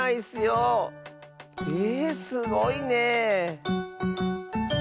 えすごいねえ。